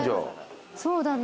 そうだな。